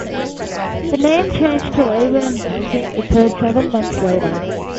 The name change to "Labour and Housing" occurred seven months later.